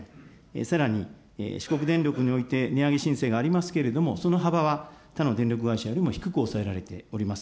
さらに四国電力において値上げ申請がありますけれども、その幅は、他の電力会社よりも低く抑えられております。